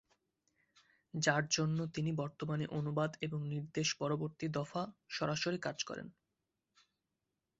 যার জন্য তিনি বর্তমানে অনুবাদ এবং নির্দেশ পরবর্তী দফা সরাসরি কাজ করেন।